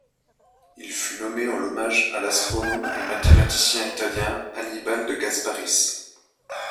Il fut nommé en hommage à l'astronome et mathématicien italien Annibale de Gasparis.